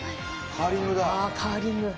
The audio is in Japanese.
カーリングだ。